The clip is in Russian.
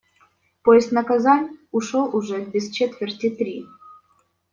Поезд на Казань ушёл уже без четверти три.